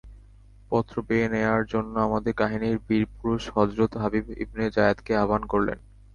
পত্র বয়ে নেয়ার জন্য আমাদের কাহিনীর বীর পুরুষ হযরত হাবীব ইবনে যায়েদকে আহবান করলেন।